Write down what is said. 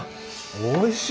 おいしい！